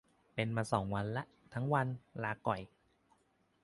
เป็นมาสองวันละ ทั้งวัน ลาก่อย